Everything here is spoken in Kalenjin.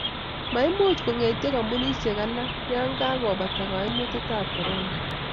maimuch ko ng'etio kampunisiek alak ya kakubata kaimutietab korona